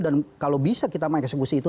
dan kalau bisa kita mengeksekusi itu